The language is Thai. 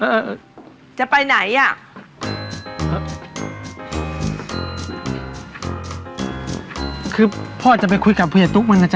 เออจะไปไหนอ่ะคือพ่อจะไปคุยกับผู้ใหญ่ตุ๊กมันนะจ๊